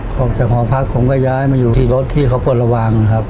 ออกจากหอพักผมก็ย้ายมาอยู่ที่รถที่เขาปลดระวังครับ